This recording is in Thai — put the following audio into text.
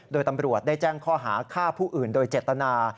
โดยตำรวจได้แจ้งข้อหาฆ่าผู้อื่นโดยเจตนา